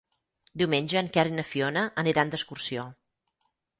Diumenge en Quer i na Fiona aniran d'excursió.